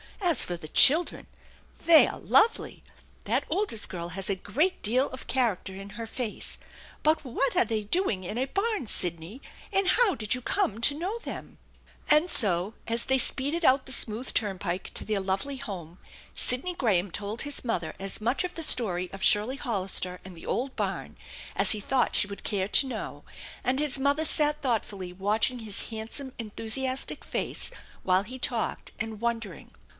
As for the children, they are lovely. That oldest girl has a great deal of char acter in her face. But what are they doing in a barn, Sidney, and how did you come to know them ?" And so, as they speeded out the smooth turnpike to their lovely home Sidney Graham told his mother as much of the story of Shirley Hollister and the old barn as he thought she would care to know, and his mother sat thoughtfully watching his handsome, enthusiastic face while he talked, and wondering.